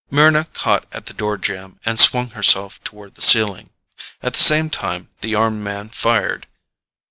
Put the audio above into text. Mryna caught at the door jamb and swung herself toward the ceiling. At the same time the armed man fired.